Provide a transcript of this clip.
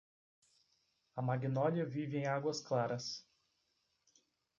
A Magnólia vive em Águas Claras.